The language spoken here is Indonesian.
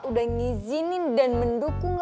udah ngizinin dan mendukung